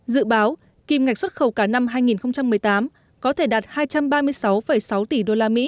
dự báo kim ngạch xuất khẩu cả năm hai nghìn một mươi tám có thể đạt hai trăm ba mươi sáu sáu tỷ usd